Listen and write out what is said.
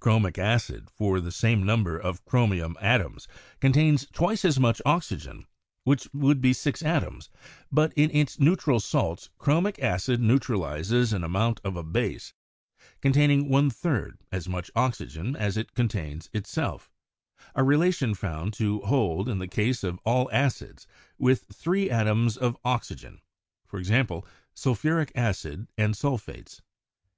Chromic acid for the same number of chromium atoms contains twice as much oxygen, which would be six atoms; but in its neutral salts chromic acid neutralizes an amount of a base containing one third as much oxygen as it contains itself, a relation found to hold in the case of all acids with three atoms of oxygen — e.g. sulphuric acid and sulphates.